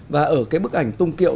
và ở cái bức ảnh tung kiệu